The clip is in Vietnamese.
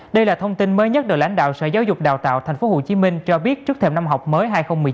đây là thông tin mới nhất được lãnh đạo sở giáo dục đào tạo tp hcm cho biết trước thêm năm học mới hai nghìn một mươi chín hai nghìn hai mươi